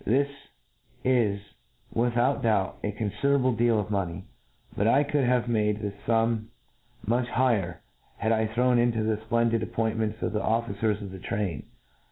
This is^trith; but doubt, ^ confiderable deal of money ; but I could have made the fum much higher, had I thrown into it the fplendid appointments of the officers of the' train.